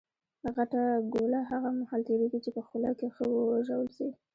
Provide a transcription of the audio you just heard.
غټه ګوله هغه مهال تېرېږي، چي په خوله کښي ښه وژول سي.